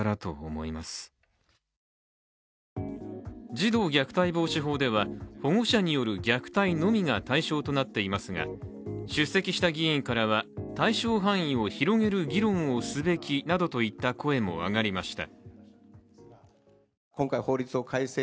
児童虐待防止法では、保護者による虐待のみが対象となっていますが出席した議員からは、対象範囲を広げる議論をすべきなどといった声も上がりました。